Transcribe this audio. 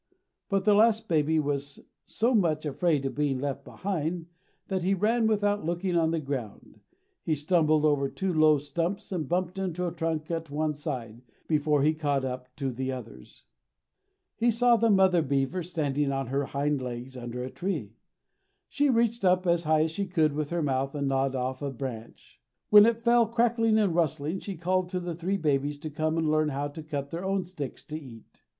But the last baby was so much afraid of being left behind that he ran without looking on the ground. He stumbled over two low stumps, and bumped into a trunk at one side, before he caught up to the others. [Illustration: THE BEAVER. "Across the pond to feast in the woods." Page 65.] He saw the mother beaver standing on her hind legs under a tree. She reached up as high as she could with her mouth and gnawed off a branch. When it fell crackling and rustling she called the three babies to come and learn how to cut their own sticks to eat.